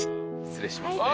失礼しますね。